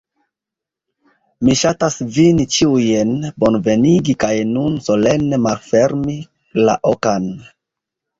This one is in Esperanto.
Mi ŝatas vin ĉiujn bonvenigi kaj nun solene malfermi la okan